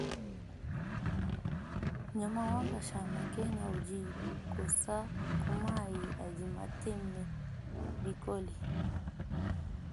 Nyama wa nkashama kena udi kosa ku mayi adi mateme bikole.